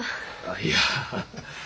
いや。